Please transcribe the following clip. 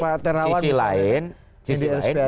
pak tarawan misalnya